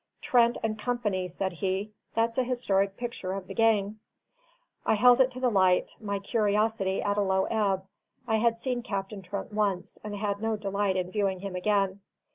"Trent and Company," said he. "That's a historic picture of the gang." I held it to the light, my curiosity at a low ebb: I had seen Captain Trent once, and had no delight in viewing him again.